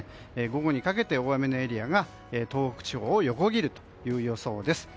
午後にかけて大雨のエリアが東北地方を横切る予想です。